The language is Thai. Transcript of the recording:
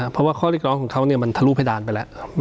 เพราะว่าข้อเรียกร้องของเขามันทะลุเพดานไปแล้ว